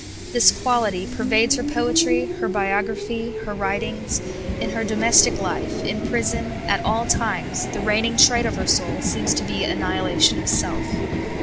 This quality per vades her poetr}^ her biograph}', her writings ; in her domestic life, in prison, at all times, the reigning trait of her soul seems to be annihilation of self.